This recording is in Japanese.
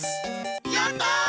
やった！